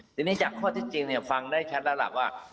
ทีนี้จากข้อที่จริงเนี่ยฟังได้ชัดละดับว่า